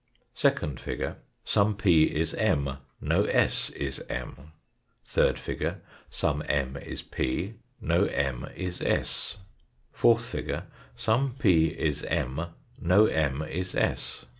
Second figure : some P is M ; no S is M. Third figure : some M is p ; no M is S. Fourth figure : some p is M ; no M is s.